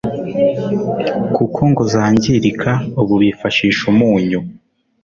kuko ngo zangirika, ubu bifashisha umunyu.